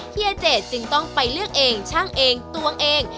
เฮียเจดจึงต้องไปเลือกเองช่างเองตัวเอง